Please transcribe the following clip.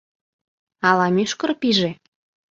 Ала мӱшкыр пиже?